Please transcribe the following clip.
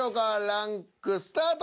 ランクスタート。